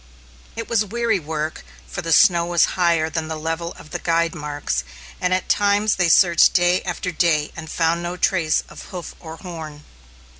It was weary work, for the snow was higher than the level of the guide marks, and at times they searched day after day and found no trace of hoof or horn.